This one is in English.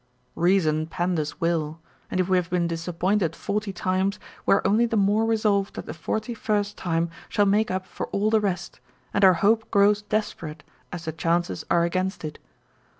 " Reason panders will ;" and if we have been disappointed forty times, we are only the more resolved that the forty first time shall make up for all the rest, and our hope grows desperate as the chances are against it.